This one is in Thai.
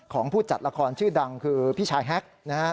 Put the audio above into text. ของผู้จัดละครชื่อดังคือพี่ชายแฮก